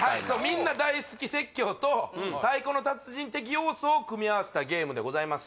みんな大好き説教と太鼓の達人的要素を組み合わせたゲームでございます